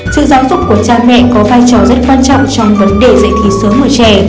sự giáo dục của cha mẹ có vai trò rất quan trọng trong vấn đề dạy thí sướng của trẻ